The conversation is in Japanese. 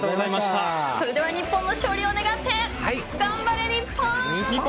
それでは日本の勝利を目指して頑張れ、日本！